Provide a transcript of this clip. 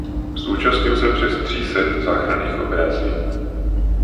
Zúčastnil se přes tří set záchranných operací.